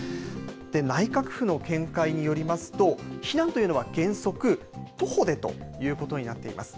内閣府の見解によりますと、避難というのは、原則、徒歩でということになっています。